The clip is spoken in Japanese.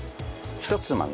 ひとつまみ。